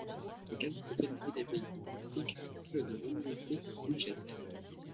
La quasi-totalité des pays appliquent la règle de l'annualité budgétaire.